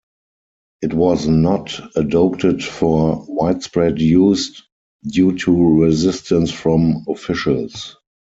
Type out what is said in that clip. It was not adopted for widespread use due to resistance from officials.